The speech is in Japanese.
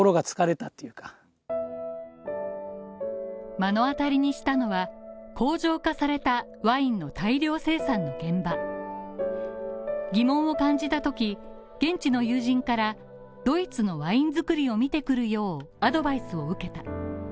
目の当たりにしたのは工場化されたワインの大量生産の現場疑問を感じたとき、現地の友人からドイツのワイン造りを見てくるようアドバイスを受けた。